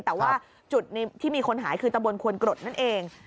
แต่ว่าจุดที่มีคนหายคือตำบลควนกรดนั่นเอง